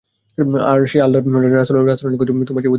আর সে আল্লাহর রাসূলের নিকট তোমার চেয়ে অধিক প্রিয় ছিল।